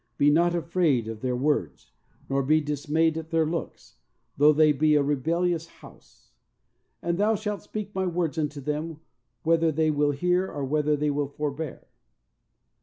Be not afraid of their words, nor be dis mayed at their looks, though they be a re bellious house. And thou shalt speak My words unto them, whether they will hear or whether they will forbear."